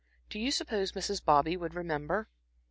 Do you suppose Mrs. Bobby would remember?"